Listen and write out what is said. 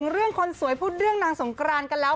เรื่องคนสวยพูดเรื่องนางสงกรานกันแล้ว